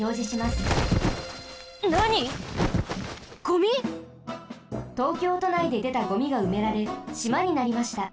ゴミ？東京都内ででたゴミがうめられしまになりました。